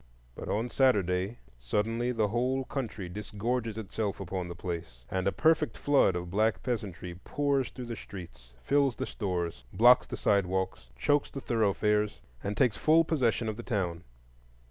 But on Saturday suddenly the whole county disgorges itself upon the place, and a perfect flood of black peasantry pours through the streets, fills the stores, blocks the sidewalks, chokes the thoroughfares, and takes full possession of the town.